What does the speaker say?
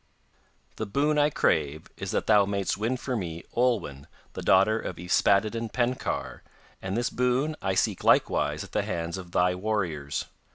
'The boon I crave is that thou mayest win for me Olwen, the daughter of Yspaddaden Penkawr, and this boon I seek likewise at the hands of thy warriors.